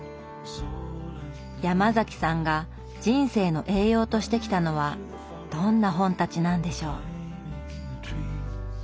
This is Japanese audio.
ヤマザキさんが人生の栄養としてきたのはどんな本たちなんでしょう？